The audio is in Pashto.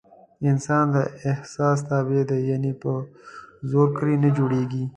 انسان د احسان تابع دی. یعنې په زور کلي نه جوړېږي.